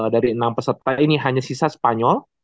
dari enam peserta ini hanya sisa spanyol